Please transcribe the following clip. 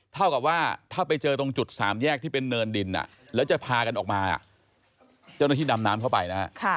เท่ากับว่าถ้าไปเจอตรงจุดสามแยกที่เป็นเนินดินแล้วจะพากันออกมาเจ้าหน้าที่ดำน้ำเข้าไปนะฮะ